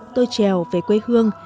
tôi trèo về quê hương